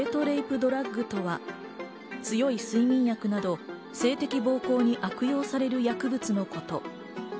レイプドラッグとは強い睡眠薬など、性的暴行に悪用される薬物のこと。